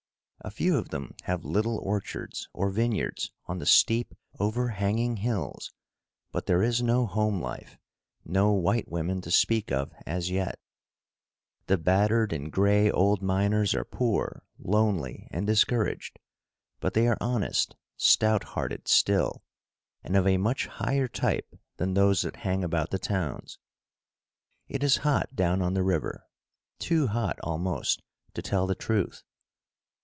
A few of them have little orchards, or vineyards, on the steep, overhanging hills, but there is no home life, no white women to speak of, as yet. The battered and gray old miners are poor, lonely and discouraged, but they are honest, stout hearted still, and of a much higher type than those that hang about the towns. It is hot down on the river too hot, almost, to tell the truth.